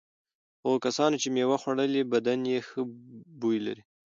هغو کسانو چې مېوه خوړلي بدن یې ښه بوی لري.